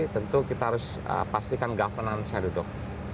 tentu kita harus pastikan governance nya duduk